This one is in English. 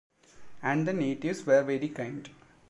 And the natives were very kind.